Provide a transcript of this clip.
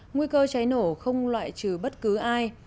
nguy cơ cháy nổ không loại trừ bất cứ ai